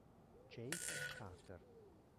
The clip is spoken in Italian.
Jake Carter